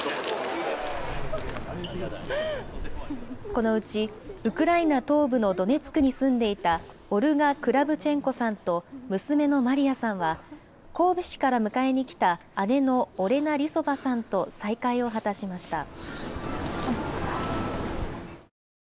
このうち、ウクライナ東部のドネツクに住んでいた、オルガ・クラブチェンコさんと娘のマリアさんは、神戸市から迎えに来た姉のオレナ・リソバさんと再会を果たしました。